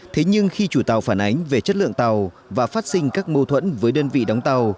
thế nhưng khi chủ tàu phản ánh về chất lượng tàu và phát sinh các mâu thuẫn với đơn vị đóng tàu